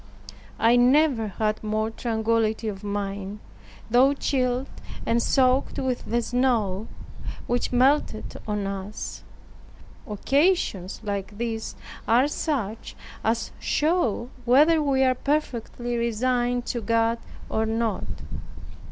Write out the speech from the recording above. I never had more tranquillity of mind, though chilled and soaked with the snow, which melted on us. Occasions like these are such as show whether we are perfectly resigned to God or not.